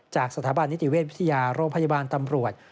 จากสถาบันนิติเวชวิทยาโรงพยาบาลตำรวจ